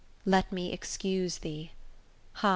Let me excuse thee: ah!